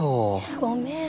ごめん。